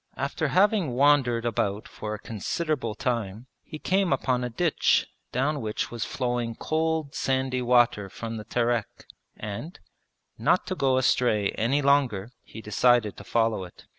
After having wandered about for a considerable time he came upon a ditch down which was flowing cold sandy water from the Terek, and, not to go astray any longer, he decided to follow it.